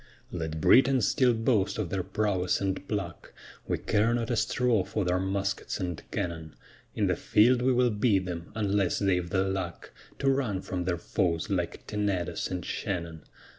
Let Britons still boast of their prowess and pluck; We care not a straw for their muskets and cannon. In the field we will beat them, unless they've the luck To run from their foes like Tenedos and Shannon.